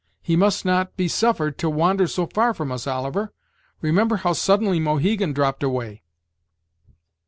He must not be suffered to wander so far from us, Oliver; remember how suddenly Mohegan dropped away."